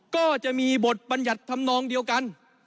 ก็จะมีบทบัญญัติธรรมนองเดียวกัน